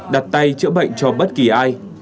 đặt tay chữa bệnh cho bất kỳ ai